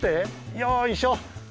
よいしょ。